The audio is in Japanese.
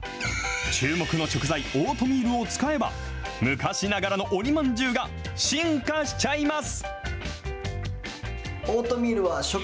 注目の食材、オートミールを使えば、昔ながらの鬼まんじゅうが進化しちゃいます。